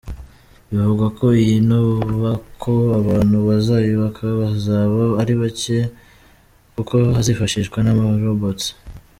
Bivugwa ko iyi nubako abantu bazayubaka bazaba ari bake, kuko hazifashishwa n’ama-robots.